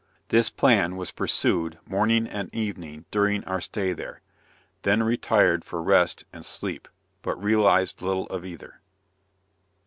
This plan was pursued morning and evening, during our stay there. Then retired for rest and sleep, but realized little of either.